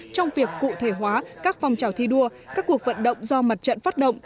trong việc cụ thể hóa các phong trào thi đua các cuộc vận động do mặt trận phát động